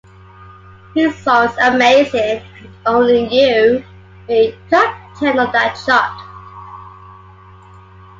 His songs "Amazing" and "Only You" made top ten on that chart.